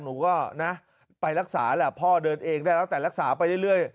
หนูก็นะไปรักษาแหละพ่อเดินเองได้แล้วแต่รักษาไปเรื่อย